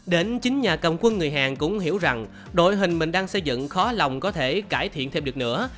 đến chính nhà cầm quân người hàng cũng hiểu rằng đội hình mình đang xây dựng khó lòng có thể cải thiện thêm được nữa